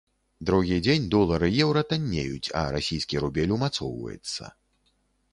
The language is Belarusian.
Другі дзень долар і еўра таннеюць, а расійскі рубель умацоўваецца.